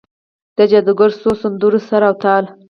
د جادوګرو څو سندرو سر او تال،